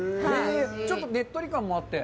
ちょっとねっとり感もあって。